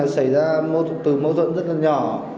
xảy ra từ mâu thuẫn rất là nhỏ